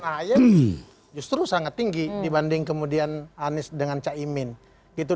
ahy justru sangat tinggi dibanding kemudian anies dengan caimin gitu